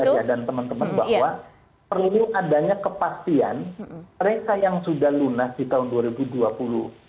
dan teman teman bahwa perlu adanya kepastian mereka yang sudah lunas di tahun dua ribu dua puluh